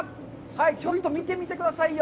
はい、ちょっと見てみてくださいよ。